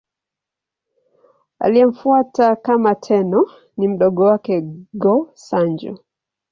Aliyemfuata kama Tenno ni mdogo wake, Go-Sanjo.